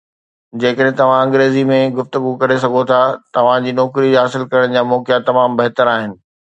جيڪڏهن توهان انگريزي ۾ گفتگو ڪري سگهو ٿا، توهان جي نوڪري حاصل ڪرڻ جا موقعا تمام بهتر آهن